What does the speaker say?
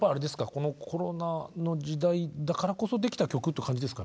このコロナの時代だからこそできた曲って感じですか？